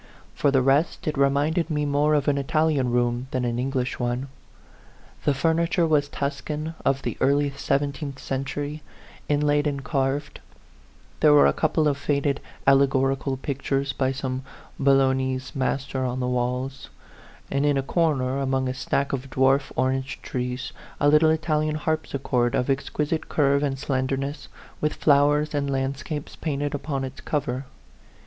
For the rest, it re minded me more of an Italian room than an English one. The furniture was Tuscan of the early seventeenth century, inlaid and carved; there were a couple of faded alle gorical pictures by some Bolognese master on the walls ; and in a corner, among a stack of dwarf orange trees, a little Italian harp sichord of exquisite curve and slenderness, with flowers and landscapes painted upon its cover.